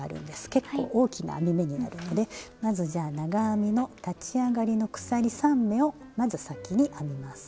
結構大きな編み目になるのでまずじゃあ長編みの立ち上がりの鎖３目をまず先に編みます。